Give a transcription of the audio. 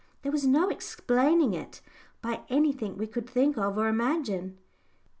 There was no explaining it by anything we could think of or imagine.